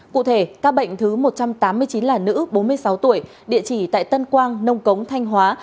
cụ thể ca bệnh thứ một trăm tám mươi chín là nữ bốn mươi sáu tuổi địa chỉ tại tân quang nông cống thanh hóa